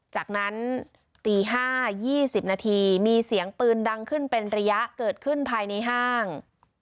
จากนั้นตี๕๒๐นาทีมีเสียงปืนดังขึ้นเป็นระยะเกิดขึ้นภายในห้าง